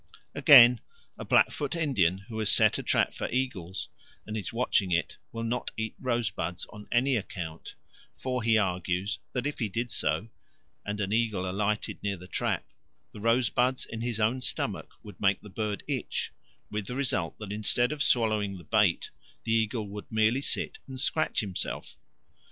Again, a Blackfoot Indian who has set a trap for eagles, and is watching it, would not eat rosebuds on any account; for he argues that if he did so, and an eagle alighted near the trap, the rosebuds in his own stomach would make the bird itch, with the result that instead of swallowing the bait the eagle would merely sit and scratch himself.